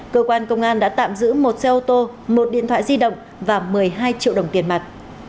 cơ quan công an đã tạm giữ một xe ô tô một điện thoại di động và một mươi hai triệu đồng tiền mặt